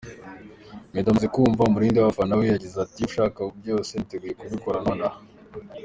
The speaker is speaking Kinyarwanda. meddy amaze kumva umurindi w’abafana yagize ati ‘Ibyo mushaka byose niteguye kubikora nonaha.